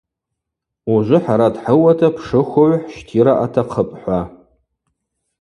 Ужвы хӏара дхӏыуата пшыхвыгӏв хӏщтира атахъыпӏ – хӏва.